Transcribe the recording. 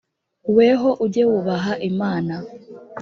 weho ujye wubaha imana